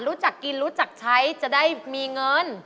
รู้จักกินรู้จักใช้จะได้มีเงิน